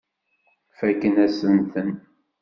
Fakken-asent-ten.